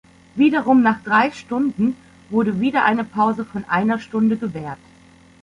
Wiederum nach drei Stunden wurde wieder eine Pause von einer Stunde gewährt.